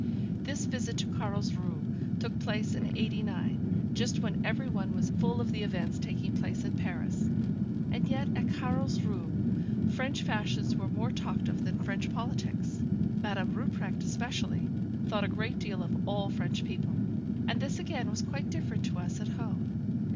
This visit to Carlsruhe took place in '89, just when every one was full of the events taking place at Paris; and yet at Carlsruhe French fashions were more talked of than French politics. Madame Rupprecht, especially, thought a great deal of all French people. And this again was quite different to us at home.